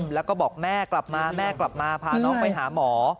แล้วก็บอกแม่กลับมาแม่กลับมาพาน้องไปหาหมอ